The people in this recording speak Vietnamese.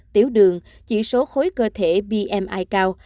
tiểu đường chỉ số khối cơ thể bmi cao